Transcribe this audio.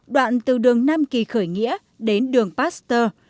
đoạn từ đường nam kỳ khởi nghĩa đến đường pasteur